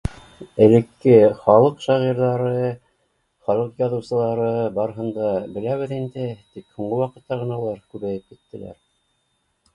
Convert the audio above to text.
Элекке халыҡ шағирҙары, халыҡ яҙыусылары барыһын да беләбеҙ инде, тик һуңғы ваҡытта ғына улар күбәйеп киттеләр